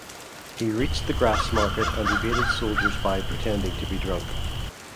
He reached the Grassmarket and evaded soldiers by pretending to be drunk.